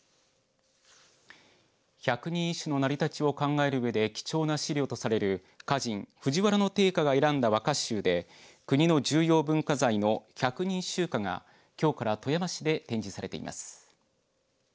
百人一首の成り立ちを考えるうえで貴重な資料とされる歌人、藤原定家が選んだ和歌集で国の重要文化財の百人秀歌がきょうから富山市で展示されています。